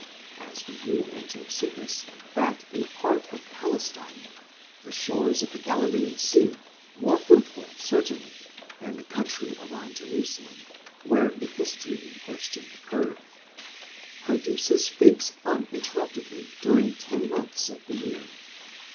as we read in Josephus that a part of Palestine (the shores of the Galilean sea, more fruitful, certainly, than the country around Jerusalem, where the history in question occurred, produces figs uninterruptedly during ten months of the year, σῦκον δέκα μησὶν ἀδιαλείπτως xopyyed.